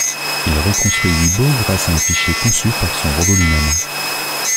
Il reconstruit Weebo grâce à un fichier conçu par son robot lui-même.